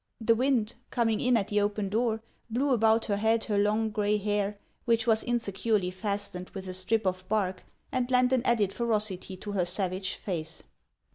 The wind, coming in at the open door, blew about her head her long gray hair, which was insecurely fastened with a strip of bark, and lent an added ferocity to her savage face.